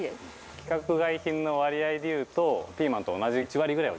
規格外品の割合でいうと、ピーマンと同じ１割ぐらいは。